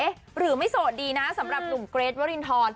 หรือไม่โสดดีนะสำหรับหนุ่มเกรทวรินทร